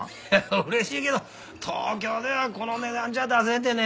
嬉しいけど東京ではこの値段じゃ出せんでね。